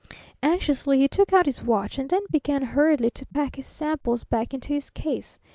Anxiously he took out his watch, and then began hurriedly to pack his samples back into his case.